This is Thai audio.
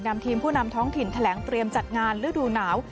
ทีมผู้นำท้องถิ่นแถลงเตรียมจัดงานฤดูหนาว